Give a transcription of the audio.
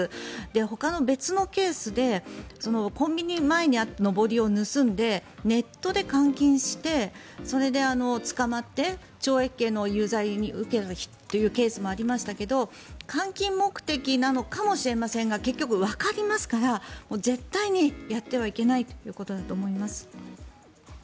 ほかの別のケースでコンビニ前にあるのぼりを盗んでネットで換金してそれで捕まって懲役刑の有罪を受けるというケースもありましたが換金目的なのかもしれませんが結局わかりますから絶対にやってはいけないことだと思います。